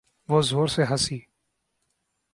وہ زور سے ہنسی۔